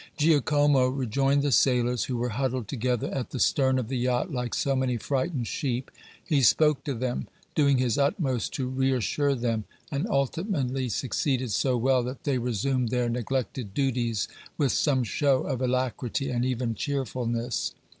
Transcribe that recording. Giacomo rejoined the sailors, who were huddled together at the stern of the yacht like so many frightened sheep. He spoke to them, doing his utmost to reassure them, and ultimately succeeded so well that they resumed their neglected duties with some show of alacrity and even cheerfulness.